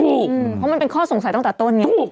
เพราะมันเป็นข้อสงสัยตั้งแต่ต้นไง